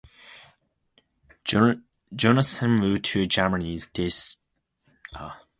Johnson moved to Germany's Deutsche Eishockey Liga, signing with the Hamburg Freezers.